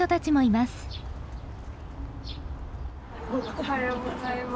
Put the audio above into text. おはようございます。